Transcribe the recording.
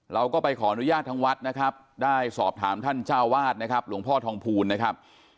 เราก็ไปขออนุญาตทางวัดนะครับได้สอบถามท่านเจ้าวาดนะครับหลวงพ่อทองภูลนะครับ